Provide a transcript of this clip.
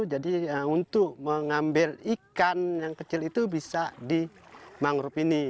untuk mengambil ikan yang kecil itu bisa di mangrove ini